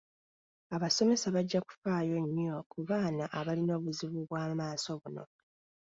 Abasomesa bajja kufaayo nnyo ku baana abalina obuzibu bw'amaaso buno.